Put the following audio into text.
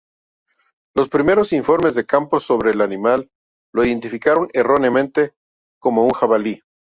Los primeros informes de campo sobre el animal lo identificaron erróneamente como un jabalí.